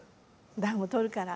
暖をとるから。